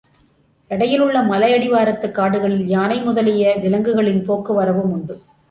இடையிலுள்ள மலையடிவாரத்துக் காடுகளில் யானை முதலிய விலக்குகளின் போக்கு வரவும் உண்டு.